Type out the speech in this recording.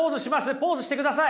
ポーズしてください！